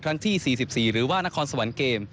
ที่๔๔หรือว่านครสวรรค์เกม